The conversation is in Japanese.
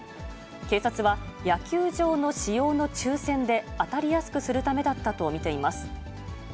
警察は、野球場の使用の抽せんで、当たりやすくするためだったと見ています。